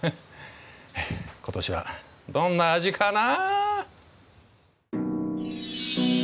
今年はどんな味かな？